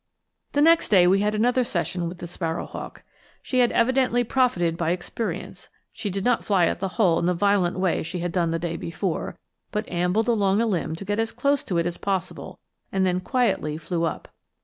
The next day we had another session with the sparrow hawk. She had evidently profited by experience. She did not fly at the hole in the violent way she had done the day before, but ambled along a limb to get as close to it as possible, and then quietly flew up.